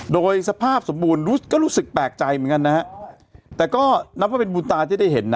โดยสภาพสมบูรณ์รู้สึกก็รู้สึกแปลกใจเหมือนกันนะฮะแต่ก็นับว่าเป็นบุญตาที่ได้เห็นนะ